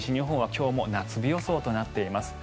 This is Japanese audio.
今日は夏日予想となっています。